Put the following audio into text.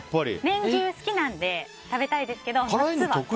年中、好きなので食べたいですけど、夏は。